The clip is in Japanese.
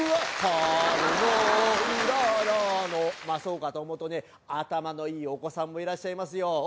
まあそうかと思うとね頭のいいお子さんもいらっしゃいますよ。